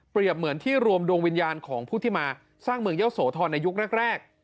เหมือนที่รวมดวงวิญญาณของผู้ที่มาสร้างเมืองเยอะโสธรในยุคแรก